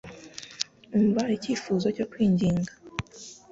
Umva Icyifuzo cyo kwinginga